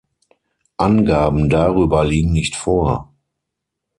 Angaben darüber liegen nicht vor.